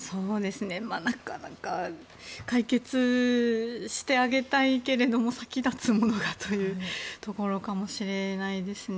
なかなか解決してあげたいけれども先立つものがというところかもしれないですね。